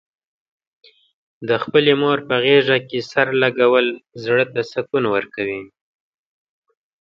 د خپلې مور په غېږه کې سر لږول، زړه ته سکون ورکوي.